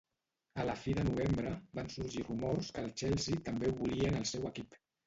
A la fi de novembre, van sorgir rumors que el Chelsea també ho volia en el seu equip.